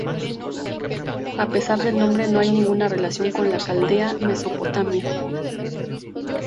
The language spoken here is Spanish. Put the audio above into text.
A pesar del nombre, no hay ninguna relación con la Caldea de Mesopotamia.